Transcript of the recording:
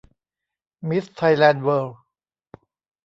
มิสไทยแลนด์เวิลด์